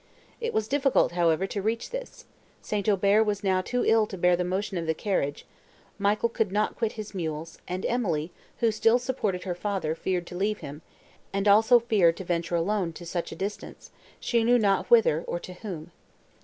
It was difficult, however, to reach this; St. Aubert was now too ill to bear the motion of the carriage; Michael could not quit his mules; and Emily, who still supported her father, feared to leave him, and also feared to venture alone to such a distance, she knew not whither, or to whom.